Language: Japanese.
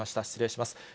失礼します。